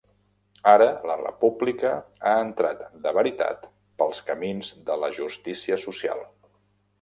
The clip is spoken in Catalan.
Ara la República ha entrat de veritat pels camins de la justícia social.